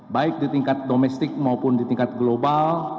baik di tingkat domestik maupun di tingkat global